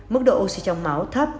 mức độ oxy trong máu thấp